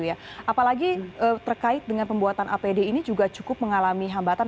apalagi terkait dengan pembuatan apd ini juga cukup mengalami hambatan